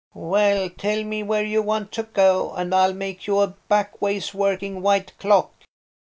Well, tell me where you want to go, and I'll make you a backways working white clock."